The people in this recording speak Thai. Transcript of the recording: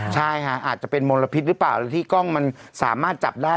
ใช่ค่ะอาจจะเป็นมลพิษหรือเปล่าหรือที่กล้องมันสามารถจับได้